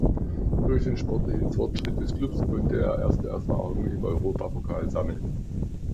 Durch den sportlichen Fortschritt des Klubs konnte er erste Erfahrungen im Europapokal sammeln.